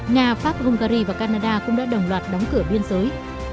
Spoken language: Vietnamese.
nga pháp hungary và canada cũng đã đồng loạt đóng cửa biên giới